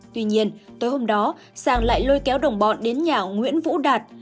tuy nhiên tối hôm đó sang lại lôi kéo đồng bọn đến nhà nguyễn vũ đạt